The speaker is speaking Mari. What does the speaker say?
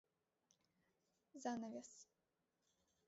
Занавес